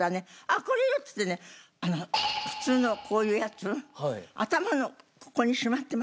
「これよ」っつってね普通のこういうやつ頭のここにしまってましたよ。